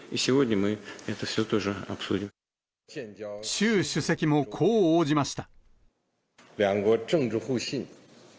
習主席もこう応じました。